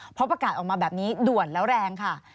เพราะประกาศออกมาแบบนี้ด่วนแล้วแรงค่ะ